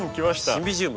シンビジウム。